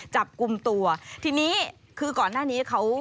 จับกลุ่มตัวทีนี้คือก่อนหน้านี้เขา